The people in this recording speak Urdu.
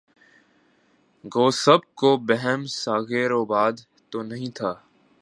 گو سب کو بہم ساغر و بادہ تو نہیں تھا